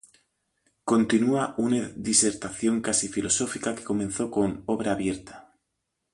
Continúa una disertación casi filosófica que comenzó con "Obra abierta".